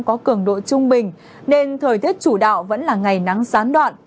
có cường độ trung bình nên thời tiết chủ đạo vẫn là ngày nắng gián đoạn